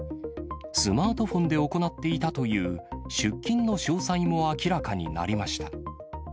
スマートフォンで行っていたという出金の詳細も明らかになりました。